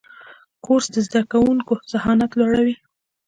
کورس د زده کوونکو ذهانت لوړوي.